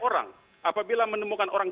orang apabila menemukan orang